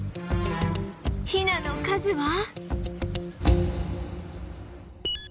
ヒナの数は？